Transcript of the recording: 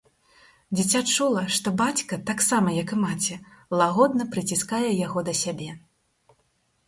Дзіця чула, што бацька таксама, як і маці, лагодна прыціскае яго да сябе.